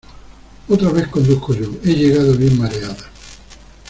Otra vez conduzco yo; he llegado bien mareada.